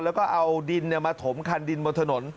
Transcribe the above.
แล้วก็เอาดินมาถมคันดินบนถนน